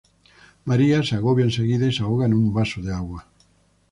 María se agobia enseguida y se ahoga en un vaso de agua